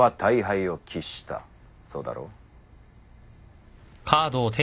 そうだろう？